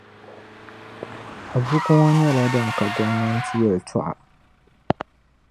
A buku ŋɔ nyɛla din ka gomnanti yɛltɔɣa.